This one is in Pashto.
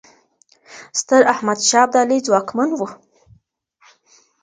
ستراحمدشاه ابدالي ځواکمن و.